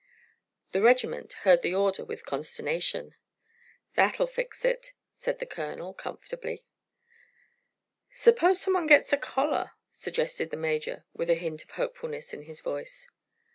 The regiment heard the order with consternation. "That'll fix it," said the colonel, comfortably. "Suppose some one gets a collar?" suggested the major, with a hint of hopefulness in his voice.